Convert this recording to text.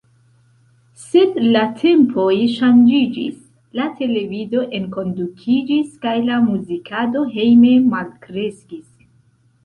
Sed la tempoj ŝanĝiĝis: la televido enkondukiĝis kaj la muzikado hejme malkreskis.